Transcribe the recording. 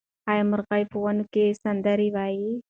آیا مرغۍ په ونو کې سندرې وايي؟